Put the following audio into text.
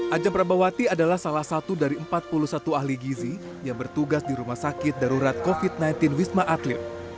ajang prabawati adalah salah satu dari empat puluh satu ahli gizi yang bertugas di rumah sakit darurat covid sembilan belas wisma atlet